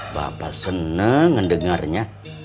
bapak seneng ngedengarnya